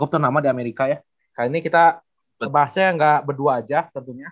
kutu nama di amerika ya kali ini kita bahasnya gak berdua aja tentunya